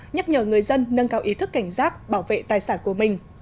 nhắc nhở người dân nâng cao ý thức cảnh giác bảo vệ tài sản của mình